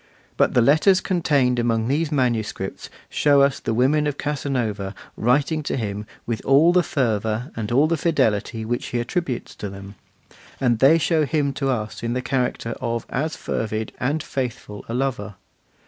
But the letters contained among these manuscripts shows us the women of Casanova writing to him with all the fervour and all the fidelity which he attributes to them; and they show him to us in the character of as fervid and faithful a lover.